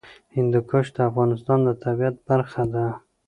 هندوکش د افغانستان د طبیعت برخه ده.